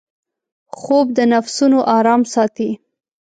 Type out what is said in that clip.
خوب د نفسونـو آرام ساتي